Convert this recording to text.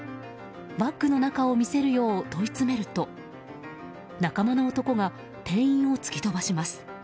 バッグの中を見せるよう問い詰めると仲間の男が店員を突き飛ばします。